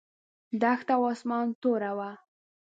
دښته او اسمان توره وه.